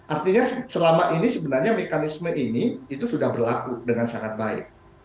artinya selama ini sebenarnya mekanisme ini itu sudah berlaku dengan sangat baik